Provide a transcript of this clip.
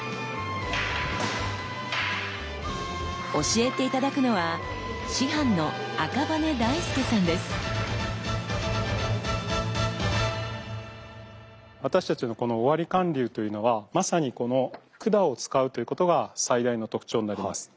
教えて頂くのは私たちのこの尾張貫流というのはまさにこの管を使うということが最大の特徴になります。